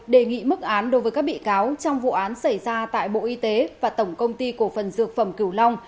đề nghị mức án đối với các bị cáo trong vụ án xảy ra tại bộ y tế và tổng công ty cổ phần dược phẩm cửu long